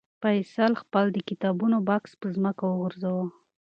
فیصل خپل د کتابونو بکس په ځمکه وغورځاوه.